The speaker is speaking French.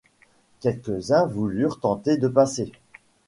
Quelques-uns voulurent tenter de passer.